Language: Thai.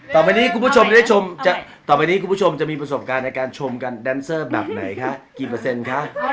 ต่อไปนี้คุณผู้ชมจะมีประสบการณ์ในการชมกันแดนเซอร์แบบไหนคะกี่เปอร์เซ็นต์คะ